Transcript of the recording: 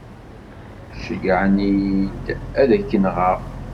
Ceyyεen-iyi-d ad k-nɣeɣ.